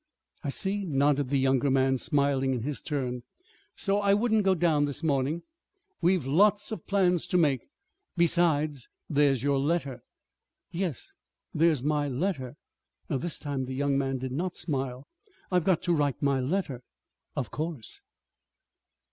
"I see," nodded the younger man, smiling in his turn. "So I wouldn't go down this morning. We've lots of plans to make. Besides, there's your letter." "Yes, there's my letter." This time the young man did not smile. "I've got to write my letter, of course."